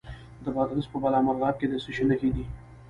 د بادغیس په بالامرغاب کې د څه شي نښې دي؟